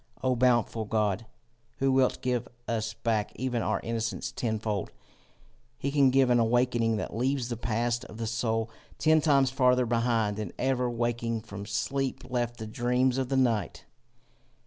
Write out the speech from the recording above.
O bountiful God, who wilt give us back even our innocence tenfold! He can give an awaking that leaves the past of the soul ten times farther behind than ever waking from sleep left the dreams of the night.